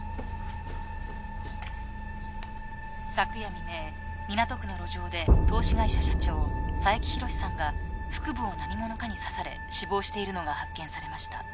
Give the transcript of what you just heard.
昨夜未明港区の路上で投資会社社長佐伯博史さんが腹部を何者かに刺され死亡しているのが発見されました。